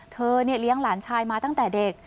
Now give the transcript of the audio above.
เลี้ยงหลานชายมาตั้งแต่เด็ก